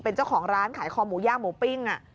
เป็นเจ้าของร้านขายคอหมูย่างหมูปิ้ง